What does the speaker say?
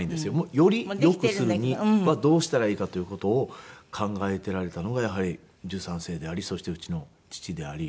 よりよくするにはどうしたらいいかという事を考えてられたのがやはり十三世でありそしてうちの父であり。